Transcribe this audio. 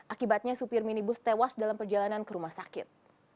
akibatnya supir minibus tewas dalam perjalanan ke rumah sakit